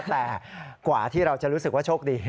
แต่กว่าที่เราจะรู้สึกว่าโชคดี